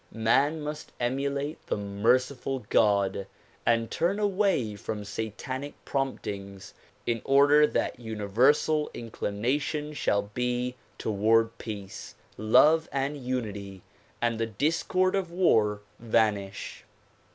Man must emulate the merciful God and turn away from satanic promptings in order that universal inclination shall be toward peace, love and unity and the discord of war vanish.